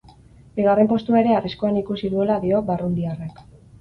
Bigarren postua ere arriskuan ikusi duela dio barrundiarrak.